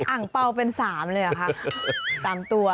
อังเปราเป็น๓เลยหรอคะ๓ตัว